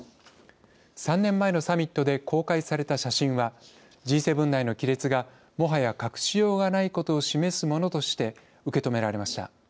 ３年前のサミットで公開された写真はＧ７内の亀裂がもはや隠しようがないことを示すものとして受け止められました。